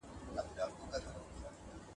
د غمونو سوي چیغي تر غوږونو نه رسیږي !.